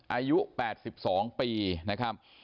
อายุ๘๒ปีนะครับ